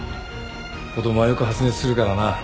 子供はよく発熱するからな。